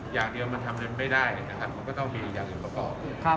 อย่างเดียวมันทำเรียนไม่ได้นะครับมันก็ต้องมีอย่างอื่นก็พอ